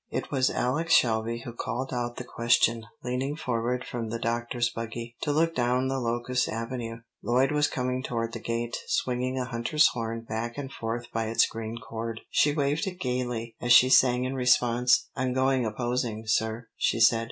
It was Alex Shelby who called out the question, leaning forward from the doctor's buggy, to look down the locust avenue. Lloyd was coming toward the gate, swinging a hunter's horn back and forth by its green cord. She waved it gaily as she sang in response: "I'm going a posing, sir, she said."